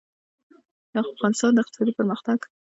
د افغانستان د اقتصادي پرمختګ لپاره پکار ده چې شتمني کنګل نشي.